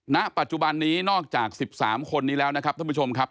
ณปัจจุบันนี้นอกจาก๑๓คนนี้แล้วนะครับท่านผู้ชมครับ